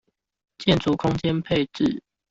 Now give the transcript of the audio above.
建築空間配置